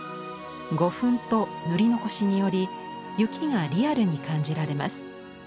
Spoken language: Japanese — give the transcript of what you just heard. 胡粉と塗り残しにより雪がリアルに感じられます。